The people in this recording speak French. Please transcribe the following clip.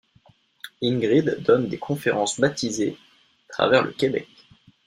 Ingrid donne des conférences baptisées à travers le Québec.